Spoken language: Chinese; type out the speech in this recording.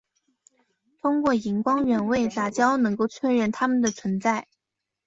通过荧光原位杂交能够确认它们的存在。